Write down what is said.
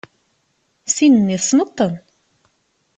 Sin-nni tessneḍ-ten?